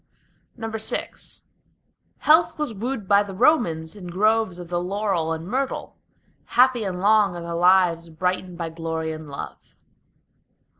VI Health was wooed by the Romans in groves of the laurel and myrtle. Happy and long are the lives brightened by glory and love.